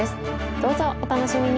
どうぞお楽しみに！